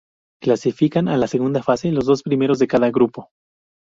Clasifican a la segunda fase, los dos primeros de cada grupo.